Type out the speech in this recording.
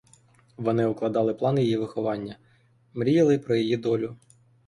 Вони укладали план її виховання, мріяли про її долю.